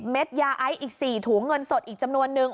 ๒๐เม็ดยาไอ้อีก๔ถุงเงินสดอีกจำนวนหนึ่ง